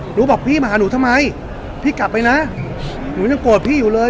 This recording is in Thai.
หนูบอกพี่มาหาหนูทำไมพี่กลับไปนะหนูยังโกรธพี่อยู่เลย